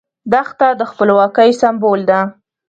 دښته د خپلواکۍ سمبول ده.